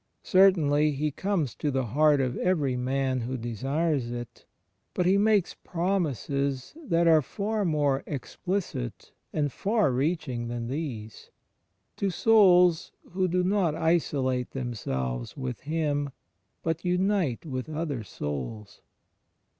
Certainly He comes to the heart of every man who desires it; but He makes promises that are far more explicit and far reaching than these, to souls who do not isolate themselves with Him, but unite with other souls.